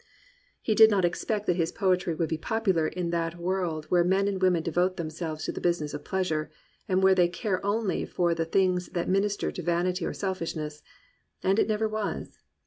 He did not expect that his poetry would be popular in that world where men and women devote themselves to the business of pleasure, and where they care only for the things that minister to vanity or selfish ness, — and it never was.